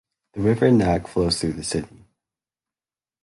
The river Nag flows through the city.